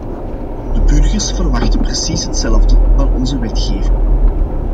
De burgers verwachten precies hetzelfde van onze wetgeving.